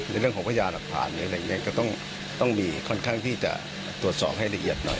ในเรื่องของพญาหลักฐานอะไรอย่างนี้ก็ต้องมีค่อนข้างที่จะตรวจสอบให้ละเอียดหน่อย